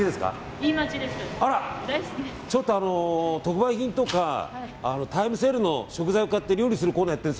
ちょっと特売品とかタイムセールの食材を買って料理するコーナーをやってるんです。